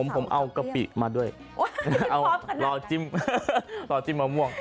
ผมเอากระปริมาด้วยรอดจิ้มมะม่วง